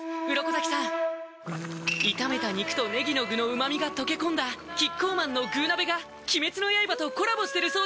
鱗滝さん炒めた肉とねぎの具の旨みが溶け込んだキッコーマンの「具鍋」が鬼滅の刃とコラボしてるそうです